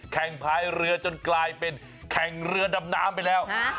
พายเรือจนกลายเป็นแข่งเรือดำน้ำไปแล้ว